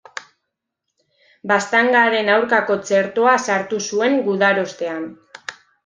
Baztangaren aurkako txertoa sartu zuen gudarostean.